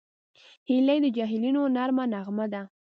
هیلۍ د جهیلونو نرمه نغمه ده